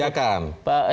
oh partai kebijakan